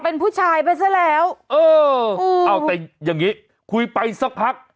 เป็นผู้ชายไปซะแล้วเออเอาแต่อย่างงี้คุยไปสักพัก